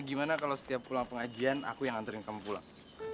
gimana kalau setiap pulang pengajian aku yang nganterin kamu pulang